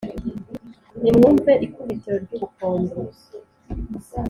nimwumve ikubitiro ry’ubukombe,